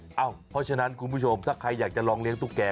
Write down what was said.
เพราะฉะนั้นคุณผู้ชมถ้าใครอยากจะลองเลี้ยตุ๊กแก่